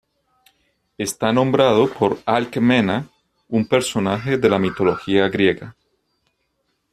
Está nombrado por Alcmena, un personaje de la mitología griega.